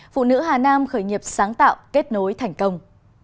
phụ nữ hà nam khởi nghiệp sáng tạo kết nối thành công